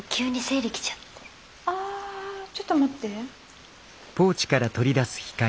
あちょっと待って。